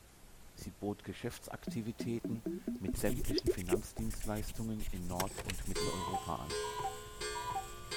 Sie bot Geschäftsaktivitäten mit sämtlichen Finanzdienstleistungen in Nord- und Mitteleuropa an.